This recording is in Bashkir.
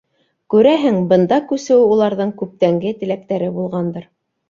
Күрәһең, бында күсеү уларҙың күптәнге теләктәре булғандыр.